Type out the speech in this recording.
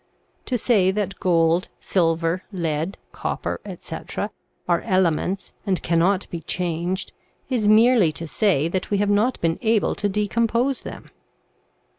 To say that gold, silver, lead, TRANSMUTATION OF THE METALS 89 copper, etc., are elements and cannot be changed, is merely to say that we have not been able to decompose them.